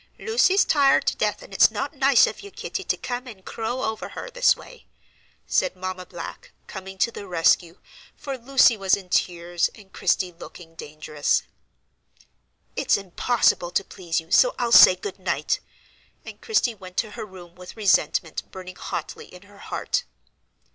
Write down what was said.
Lucy's tired to death, and it's not nice of you, Kitty, to come and crow over her this way," said Mamma Black, coming to the rescue, for Lucy was in tears, and Christie looking dangerous. "It's impossible to please you, so I'll say good night," and Christie went to her room with resentment burning hotly in her heart.